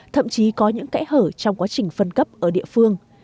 thậm chí có những kẽ hở trong quá trình phân cấp ở địa phương